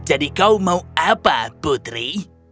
jadi kau mau apa putri